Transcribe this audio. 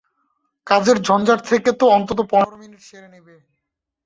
কাজের ঝঞ্ঝাট থাকে তো অন্তত পনর মিনিটে সেরে নিবি।